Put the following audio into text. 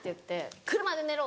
車で寝ろ！」